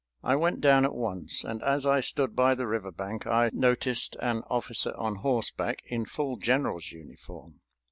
I went down at once, and as I stood by the river bank I noticed an officer on horseback in full general's uniform.